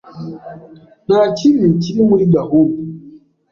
Nta kibi kiri muri gahunda.